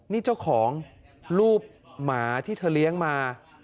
นี่เจ้าของรูปหมาที่เธอเลี้ยงมา